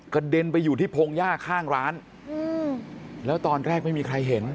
เด็นไปอยู่ที่พงหญ้าข้างร้านแล้วตอนแรกไม่มีใครเห็น